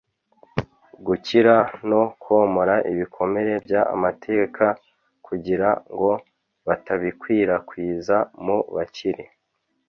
gukira no komora ibikomere by amateka kugira ngo batabikwirakwiza mu bakiri